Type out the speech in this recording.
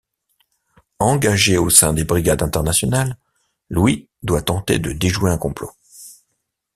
Engagé au sein des brigades internationales, Louis doit tenter de déjouer un complot.